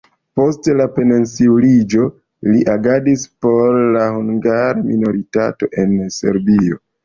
Post la pensiuliĝo li agadis por la hungara minoritato en Serbio.